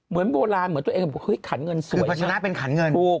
มีโบราณเหมือนตัวเองขันเงินสวยคือประชานาธิ์เป็นขันเงินถูก